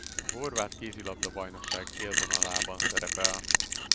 A horvát kézilabda-bajnokság élvonalában szerepel.